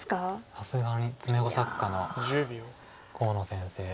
さすが詰碁作家の河野先生。